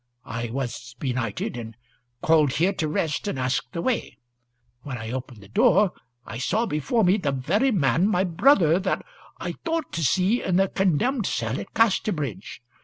I was benighted, and called here to rest and ask the way. When I opened the door I saw before me the very man, my brother, that I thought to see in the condemned cell at Casterbridge.